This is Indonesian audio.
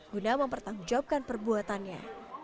guna mempertanggungjawabkan perbuatannya